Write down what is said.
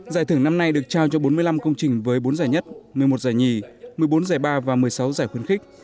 giải thưởng năm nay được trao cho bốn mươi năm công trình với bốn giải nhất một mươi một giải nhì một mươi bốn giải ba và một mươi sáu giải khuyến khích